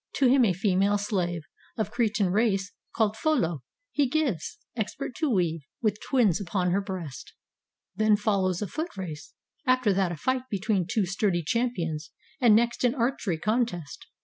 To him a female slave Of Cretan race, called Pholoe, he gives. Expert to weave, with twins upon her breast. [Then follows a foot race, after that a fight between two sturdy champions, and next an archery contest.